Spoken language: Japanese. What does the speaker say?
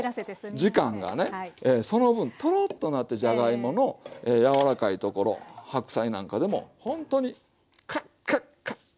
時間がねその分トローッとなってじゃがいもの柔らかいところ白菜なんかでもほんとにカッカッカッて。